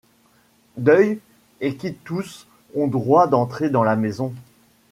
Deuil, et qui tous ont droit d'entrer dans la maison.